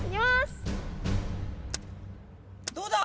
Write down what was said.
どうだ？